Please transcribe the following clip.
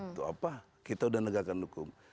itu apa kita sudah menegakkan hukum